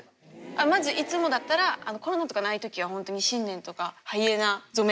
まずいつもだったらコロナとかない時はホントに新年とかハイエナ初め。